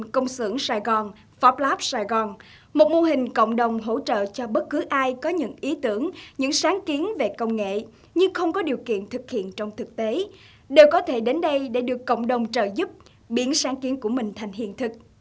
cộng đồng hỗ trợ cho bất cứ ai có những ý tưởng những sáng kiến về công nghệ nhưng không có điều kiện thực hiện trong thực tế đều có thể đến đây để được cộng đồng trợ giúp biến sáng kiến của mình thành hiện thực